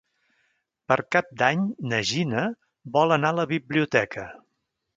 Per Cap d'Any na Gina vol anar a la biblioteca.